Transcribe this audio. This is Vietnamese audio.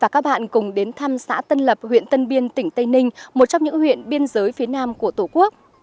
cùng đến thăm xã tân lập huyện tân biên tỉnh tây ninh một trong những huyện biên giới phía nam của tổ quốc